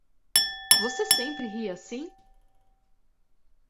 Você sempre ri assim?